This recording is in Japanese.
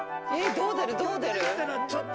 どう出る？